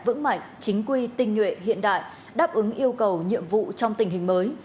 vững mạnh chính quy tinh nhuệ hiện đại đáp ứng yêu cầu nhiệm vụ trong tình hình mới